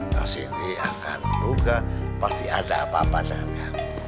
pak sinti akan luka pasti ada apa apa dana